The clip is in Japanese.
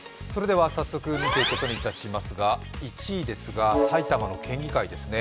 早速見ていくことにしますが、１位ですが埼玉の県議会ですね